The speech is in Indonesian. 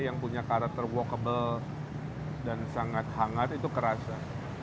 yang punya karakter walkable dan sangat hangat itu kerasa